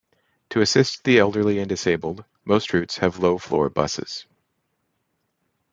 To assist the elderly and disabled, most routes have low-floor buses.